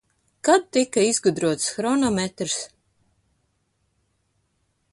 Kad tika izgudrots hronometrs?